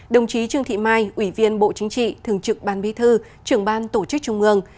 đồng chí trương thị mai ủy viên bộ chính trị thường trực ban bí thư trưởng ban tổ chức trung ương